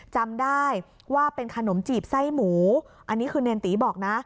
จำได้ว่าเป็นขนมจีบไส้หมูอันนี้คือเนรตีบอกนะ